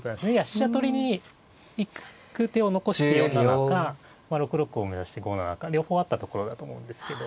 飛車取りに行く手を残して４七か６六を目指して５七か両方あったところだと思うんですけど。